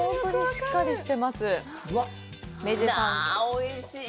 おいしい。